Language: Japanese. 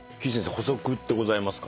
補足ってございますか？